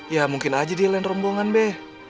ya mungkin aja di lain rombongan be